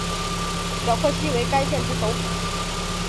皎克西为该县之首府。